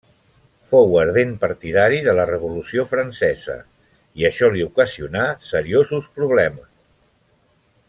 Fou ardent partidari de la Revolució Francesa, i això li ocasionà seriosos problemes.